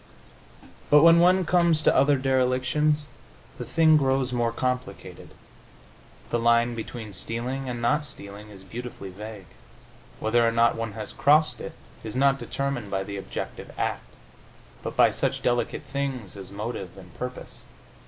But when one comes to other derelictions the thing grows more complicated. The line between stealing and not stealing is beautifully vague; whether or not one has crossed it is not determined by the objective act, but by such delicate things as motive and purpose.